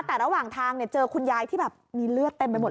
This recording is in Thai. แต่ระหว่างทางเนี่ยเจอคุณยายที่แบบมีเลือดเต็มไปหมด